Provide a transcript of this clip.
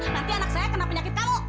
nanti anak saya kena penyakit kalau